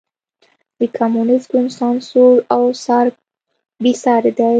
د کمونېست ګوند سانسور او څار بېساری دی.